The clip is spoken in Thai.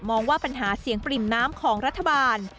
ว่าปัญหาเสียงปริ่มน้ำของรัฐบาล